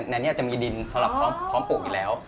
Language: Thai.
ในนี้จะมีดินสำหรับพร้อมปลูกอยู่แล้ว